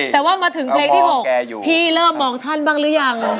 แต่ว่ามาถึงเพลงที่๖พี่เริ่มมองท่านบ้างหรือยัง